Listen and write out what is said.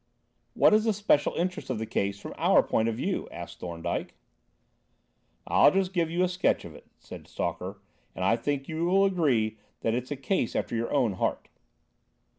"What is the special interest of the case from our point of view?" asked Thorndyke. "I'll just give you a sketch of it," said Stalker, "and I think you will agree that it's a case after your own heart.